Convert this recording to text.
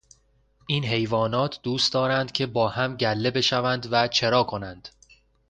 این حیوانات دوست دارند که با هم گله بشوند و چرا کنند.